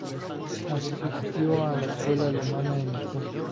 Asistió a la Escuela Alemana de Moscú.